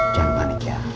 jangan panik ya